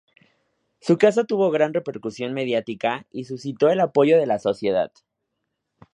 Su caso tuvo gran repercusión mediática y suscitó el apoyo de la sociedad.